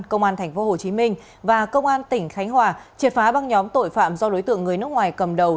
công an tp hcm và công an tỉnh khánh hòa triệt phá băng nhóm tội phạm do đối tượng người nước ngoài cầm đầu